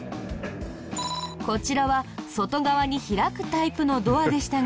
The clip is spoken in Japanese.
こちらは外側に開くタイプのドアでしたが。